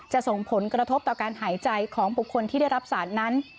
ส่งผลกระทบต่อการหายใจของบุคคลที่ได้รับสารนั้น